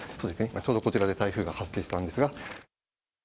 今、ちょうどこちらで台風が発生したんですが。